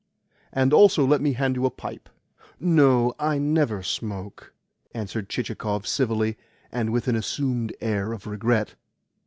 "And also let me hand you a pipe." "No, I never smoke," answered Chichikov civilly, and with an assumed air of regret.